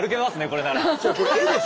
これ。